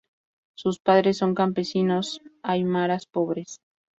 Sus padres son campesinos aymaras pobres.